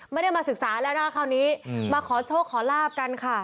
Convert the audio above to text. มาขอโชคขอราบกันค่ะ